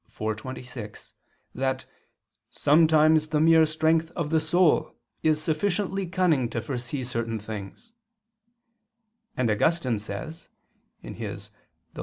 iv, 26) that "sometimes the mere strength of the soul is sufficiently cunning to foresee certain things": and Augustine says (Gen. ad lit.